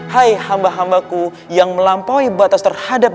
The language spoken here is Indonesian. hai hamba hambaku yang melampaui batas terhadap